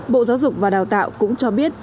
bộ giáo dục và đào tạo cũng cho biết